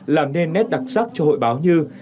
làm nên nét đặc sắc cho hội báo như